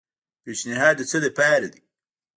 پیشنھاد د څه لپاره دی؟